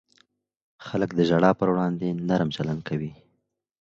خلک د ژړا پر وړاندې نرم چلند کوي.